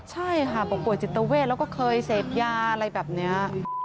ใช่ค่ะบอกป่วยจิตเวทแล้วก็เคยเสพยาอะไรแบบนี้